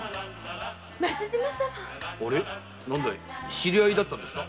知り合いだったんですか？